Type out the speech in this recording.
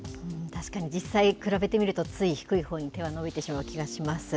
確かに実際比べてみると、つい低いほうに手は伸びてしまう気がします。